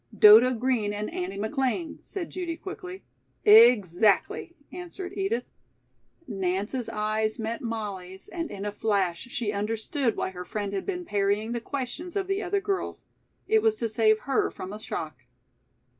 "Dodo Green and Andy McLean," said Judy quickly. "Exactly," answered Edith. Nance's eyes met Molly's and in a flash she understood why her friend had been parrying the questions of the other girls. It was to save her from a shock.